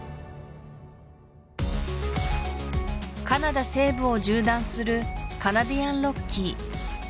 カナダ西部を縦断するカナディアンロッキー